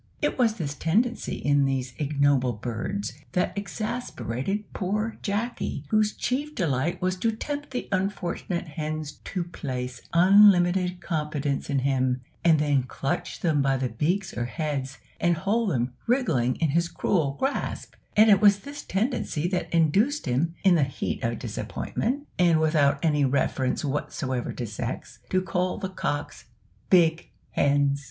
It was this tendency in these ignoble birds that exasperated poor Jacky, whose chief delight was to tempt the unfortunate hens to place unlimited confidence in him, and then clutch them by the beaks or heads, and hold them wriggling in his cruel grasp; and it was this tendency that induced him, in the heat of disappointment, and without any reference whatever to sex, to call the cocks "big hens!"